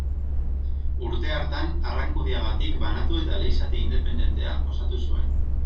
Urte hartan Arrankudiagatik banatu eta elizate independentea osatu zuen.